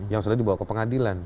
yang sudah dibawa ke pengadilan